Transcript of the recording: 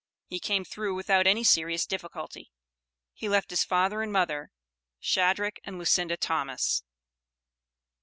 He came through without any serious difficulty. He left his father and mother, Shadrach and Lucinda Thomas.